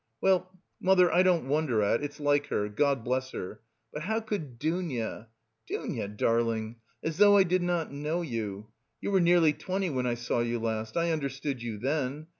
"Well,... mother I don't wonder at, it's like her, God bless her, but how could Dounia? Dounia darling, as though I did not know you! You were nearly twenty when I saw you last: I understood you then.